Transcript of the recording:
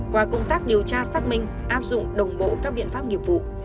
qua công tác điều tra xác minh áp dụng đồng bộ các biện pháp nghiệp vụ